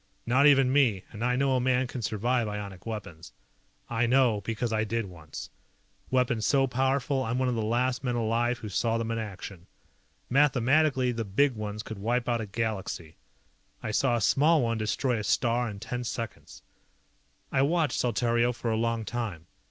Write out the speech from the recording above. Not even me and I know a man can survive ionic weapons. I know because I did once. Weapons so powerful I'm one of the last men alive who saw them in action. Mathematically the big ones could wipe out a Galaxy. I saw a small one destroy a star in ten seconds. I watched Saltario for a long time.